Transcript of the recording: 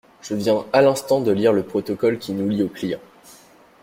Je viens à l'instant de lire le protocole qui nous lie au client.